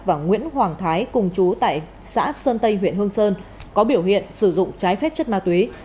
và nguyễn hoàng thái cùng chú tại xã sơn tây huyện hương sơn có biểu hiện sử dụng trái phép chất ma túy